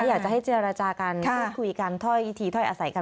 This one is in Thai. อยากจะให้เจรจากันพูดคุยกันถ้อยทีถ้อยอาศัยกัน